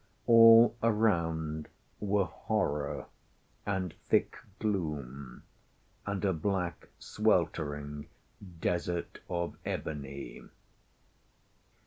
All around were horror, and thick gloom, and a black sweltering desert of ebony.